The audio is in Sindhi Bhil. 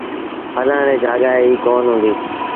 هلڻ ريٚ جآڳآ ئيٚ ڪونا هُݩديٚ۔